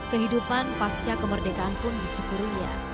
kehidupan pasca kemerdekaan pun disyukurinya